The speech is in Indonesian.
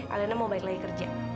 alena mau baik lagi kerja